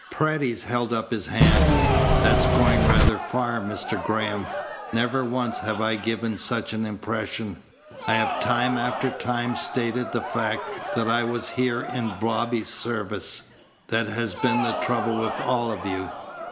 Paredes held up his hand. "That's going rather far, Mr. Graham. Never once have I given such an impression. I have time after time stated the fact that I was here in Bobby's service. That has been the trouble with all of you.